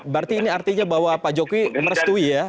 berarti ini artinya bahwa pak jokowi merestui ya